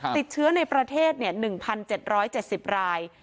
ติดเชื้อในประเทศ๑๗๗๐ราย